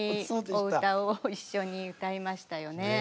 お歌を一緒に歌いましたよね。